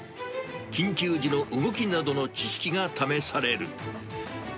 緊急時の動きなどの知識が試される。